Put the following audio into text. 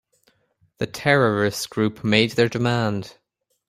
The terrorist group made their demand.